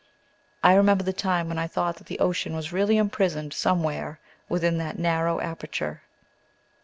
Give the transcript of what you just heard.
I remember the time when I thought that the ocean was really imprisoned somewhere within that narrow aperture.